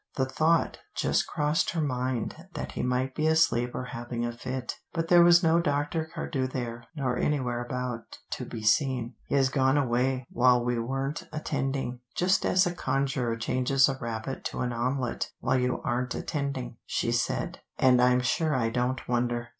The thought just crossed her mind that he might be asleep or having a fit. But there was no Dr. Cardew there, nor anywhere about, to be seen. "He has gone away while we weren't attending, just as a conjurer changes a rabbit to an omelette while you aren't attending," she said, "and I'm sure I don't wonder.